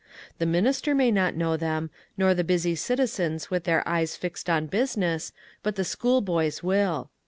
The minister may not know them, nor the busy citizens with their eyes fixed on business, but the schoolboys will.